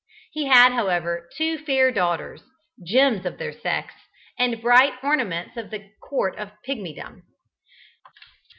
He had, however, two fair daughters, gems of their sex, and bright ornaments of the court of Pigmydom.